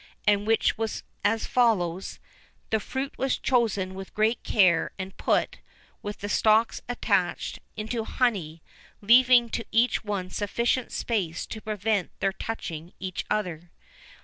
and which was as follows: The fruit was chosen with great care, and put, with the stalks attached, into honey, leaving to each one sufficient space to prevent their touching each other.